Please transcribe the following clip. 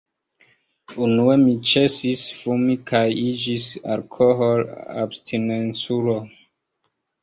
Unue mi ĉesis fumi kaj iĝis alkohol-abstinenculo.